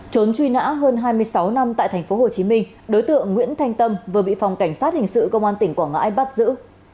trốn truy nã hơn hai mươi sáu năm tại tp hcm đối tượng nguyễn thanh tâm vừa bị phòng cảnh sát hình sự công an tỉnh quảng ngãi bắt giữ